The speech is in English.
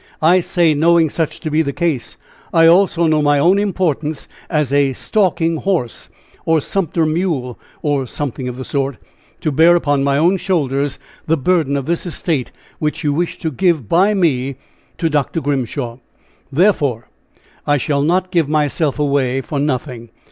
I say, knowing such to be the case, I also know my own importance as a 'stalking horse,' or sumpter mule, or something of the sort, to bear upon my own shoulders the burden of this estate, which you wish to give by me to Dr. Grimshaw. Therefore, I shall not give myself away for nothing.